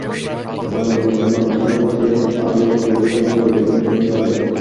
পরের ম্যাচে বাংলাদেশের কাছে হারলেই টুপ করে পড়ে যাবে সেই খাদে।